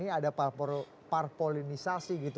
ini ada parpolinisasi